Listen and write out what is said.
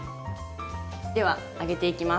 では揚げていきます。